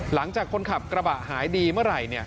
หลังจากคนขับกระบะหายดีเมื่อไหร่